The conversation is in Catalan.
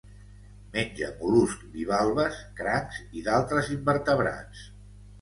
Menja mol·luscs bivalves, crancs i d'altres invertebrats.